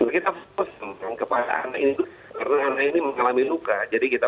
kita pesan kepada anak ini karena anaknya ini mengalami luka